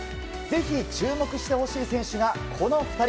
ぜひ注目してほしい選手がこの２人。